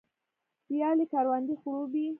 ویالې کروندې خړوبوي